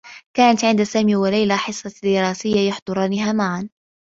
كانت عند سامي و ليلى حصّة دراسيّة يحضرانها معا.